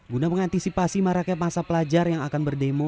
guna mengantisipasi maraknya masa pelajar yang akan berdemo